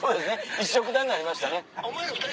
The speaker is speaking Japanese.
一緒くたになりましたね。